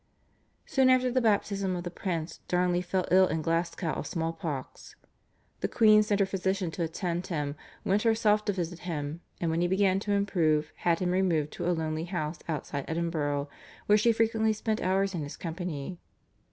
Soon after the baptism of the prince, Darnley fell ill in Glasgow of small pox. The queen sent her physician to attend him, went herself to visit him, and when he began to improve had him removed to a lonely house outside Edinburgh, where she frequently spent hours in his company.